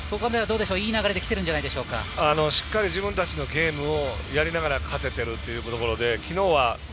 いい流れできているんじゃしっかり自分たちのゲームをやりながら勝てているということですね。